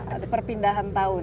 ada perpindahan tahun